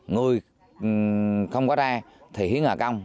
người không có tre thì hiến hòa công